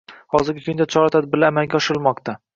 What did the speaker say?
Hozirgi kunda chora-tadbirlar amalga oshirilmoqda.